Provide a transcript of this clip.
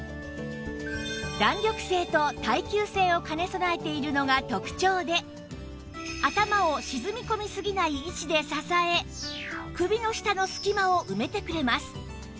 弾力性と耐久性を兼ね備えているのが特長で頭を沈み込みすぎない位置で支え首の下の隙間を埋めてくれます